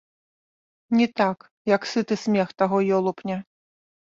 Не так, як сыты смех таго ёлупня.